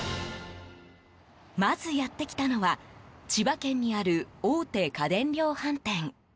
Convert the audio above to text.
まずやってきたのは千葉県にある大手家電量販店。